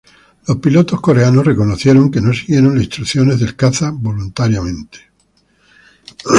Los pilotos coreanos reconocieron que no siguieron las instrucciones del caza voluntariamente.